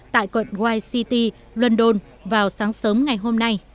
tại quận wise city london vào sáng sớm ngày hôm nay